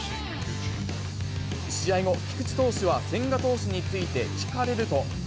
試合後、菊池投手は千賀投手について聞かれると。